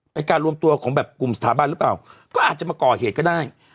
เป็นการรวมตัวของแบบกลุ่มสถาบันหรือเปล่าก็อาจจะมาก่อเหตุก็ได้